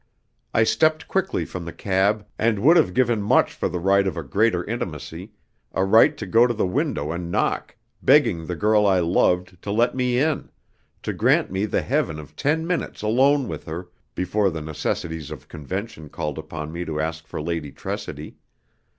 I stepped quickly from the cab and would have given much for the right of a greater intimacy a right to go to the window and knock, begging the girl I loved to let me in, to grant me the heaven of ten minutes alone with her, before the necessities of convention called upon me to ask for Lady Tressidy.